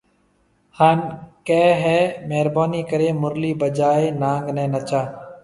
ھان ڪي ھيَََ مھربوني ڪري مُرلي بجائي نانگ ني نچا